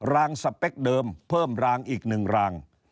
รางสเปคเดิมเพิ่มรางอีก๑ราง